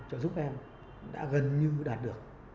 trợ giúp em đã gần như đạt được